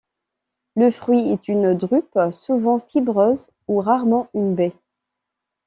Le fruit est une drupe, souvent fibreuse ou rarement une baie.